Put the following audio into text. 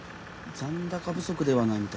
残高不足ではないみたいですね。